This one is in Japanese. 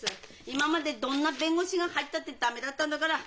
今までどんな弁護士が入ったって駄目だったんだから！